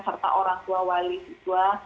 serta orang tua wali siswa